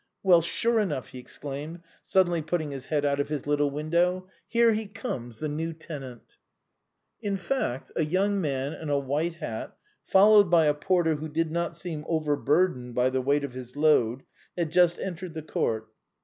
Well, sure enough," he exclaimed, suddenly putting his head out of his little window, " here he comes, the new tenant !" In fact, a young man in a white hat, followed by a porter who did not seem over burdened by the weight of his load, had just entered the court.